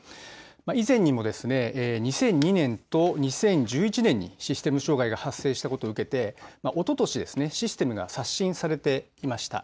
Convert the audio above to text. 以前にも、２００２年と２０１１年にシステム障害が発生したことを受けておととしシステムが刷新されていました。